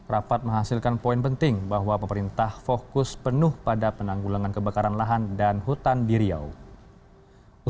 rapat menghasilkan poin penting bahwa pemerintah fokus penuh pada penanggulangan kebakaran lahan dan hutan di riau